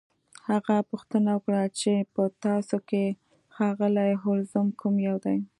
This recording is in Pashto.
هغه پوښتنه وکړه چې په تاسو کې ښاغلی هولمز کوم یو دی